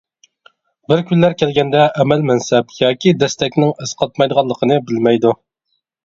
بىر كۈنلەر كەلگەندە ئەمەل-مەنسەپ ياكى دەستەكنىڭ ئەسقاتمايدىغانلىقىنى بىلمەيدۇ.